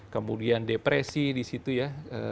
kemudian depresi di situ ya